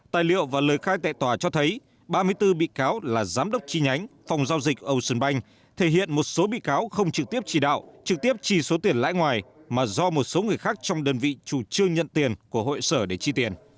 tài liệu và lời khai tại tòa cho thấy ba mươi bốn bị cáo là giám đốc chi nhánh phòng giao dịch ocean bank thể hiện một số bị cáo không trực tiếp chỉ đạo trực tiếp chi số tiền lãi ngoài mà do một số người khác trong đơn vị chủ trương nhận tiền của hội sở để chi tiền